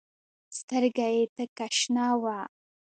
سترګه يې تکه شنه وه.